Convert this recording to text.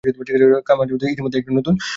কাকামুচোতে ইতিমধ্যেই একজন নতুন সামরাই আছে।